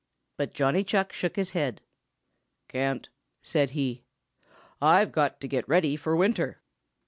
But Johnny Chuck shook his head. "Can't!" said he. "I've got to get ready for winter."